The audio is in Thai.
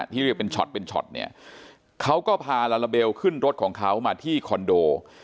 เรียกเป็นช็อตเป็นช็อตเนี่ยเขาก็พาลาลาเบลขึ้นรถของเขามาที่คอนโด